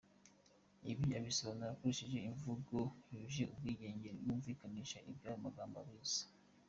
Ibi abisobanura akoresheje imvugo yuje ibitwenge yumvikanisha ko iby’ayo magambo abizi.